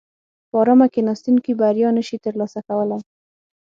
په ارامه کیناستونکي بریا نشي ترلاسه کولای.